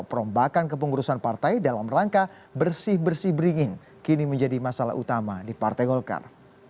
perombakan kepengurusan partai dalam rangka bersih bersih beringin kini menjadi masalah utama di partai golkar